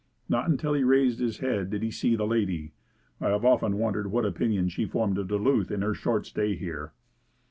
Not until he raised his head did he see the lady. I have often wondered what opinion she formed of Duluth in her short stay here.